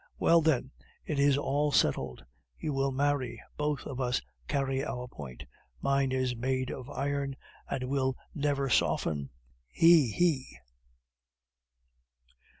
Well, then, it is all settled. You will marry. Both of us carry our point. Mine is made of iron, and will never soften, he! he!"